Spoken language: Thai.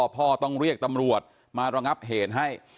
พ่อต้องเรียกตำรวจมาระงับเหตุให้